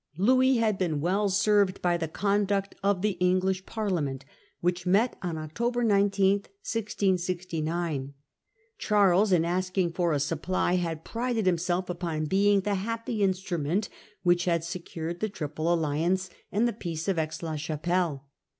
Louis had been well served by the conduct of the English Parliament, which met on October 19, 1669. Charles, in asking for a supply, had prided himself upon being the happy instrument which had secured the Triple Alliance and the Peace of Aix la Chapelle.